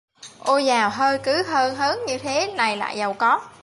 Ôi dào hơi cứ hơn hớn như thế này lại giàu có